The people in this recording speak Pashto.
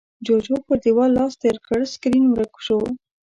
جُوجُو پر دېوال لاس تېر کړ، سکرين ورک شو.